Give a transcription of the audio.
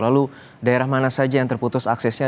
lalu daerah mana saja yang terputus aksesnya